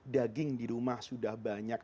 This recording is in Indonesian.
daging di rumah sudah banyak